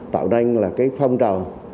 tạo nên là cái phong trào